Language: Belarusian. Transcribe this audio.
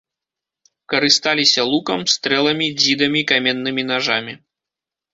Карысталіся лукам, стрэламі, дзідамі, каменнымі нажамі.